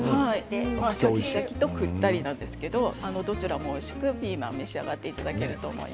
シャキシャキと、くったりどちらもおいしくピーマンを召し上がっていただけると思います。